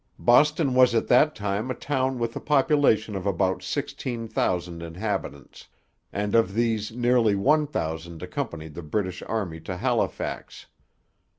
Boston was at that time a town with a population of about sixteen thousand inhabitants, and of these nearly one thousand accompanied the British Army to Halifax.